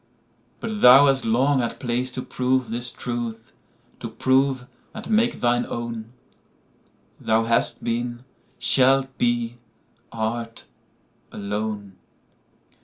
But thou hast long had place to proveThis truth—to prove, and make thine own:Thou hast been, shalt be, art, alone.